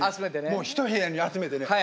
もう一部屋に集めてね